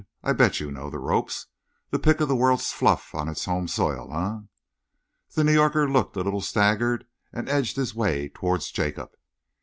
I bet you know the ropes. The pick of the world's fluff on its home soil, eh?" The New Yorker looked a little staggered and edged his way towards Jacob.